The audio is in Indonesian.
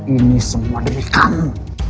ini semua demi kamu